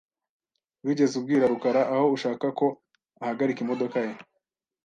Wigeze ubwira rukara aho ushaka ko ahagarika imodoka ye?